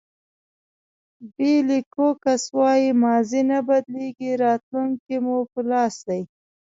بېلي کوکس وایي ماضي نه بدلېږي راتلونکی مو په لاس دی.